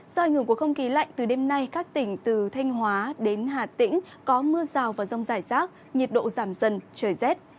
do ảnh hưởng của không khí lạnh từ đêm nay các tỉnh từ thanh hóa đến hà tĩnh có mưa rào và rông rải rác nhiệt độ giảm dần trời rét